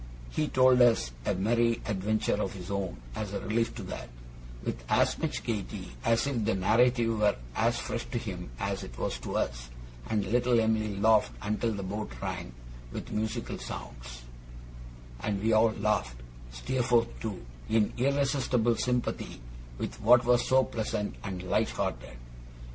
He told us a merry adventure of his own, as a relief to that, with as much gaiety as if the narrative were as fresh to him as it was to us and little Em'ly laughed until the boat rang with the musical sounds, and we all laughed (Steerforth too), in irresistible sympathy with what was so pleasant and light hearted.